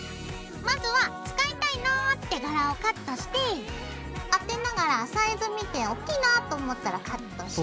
まずは使いたいなって柄をカットして当てながらサイズ見ておっきいなぁと思ったらカットして。